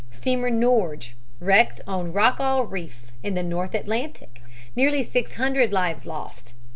Steamer Norge, wrecked on Rockall Reef, in the North Atlantic; nearly 600 lives lost.